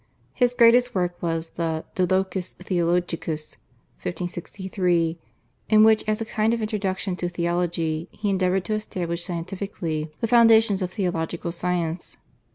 His greatest work was the /De Locis Theologicis/ (1563), in which as a kind of introduction to theology he endeavoured to establish scientifically the foundations of theological science.